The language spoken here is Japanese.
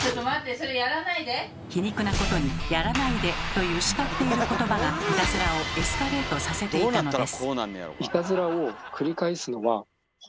皮肉なことに「やらないで」という叱っていることばがいたずらをエスカレートさせていたのです。